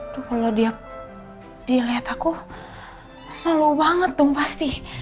tuh kalo dia liat aku malu banget dong pasti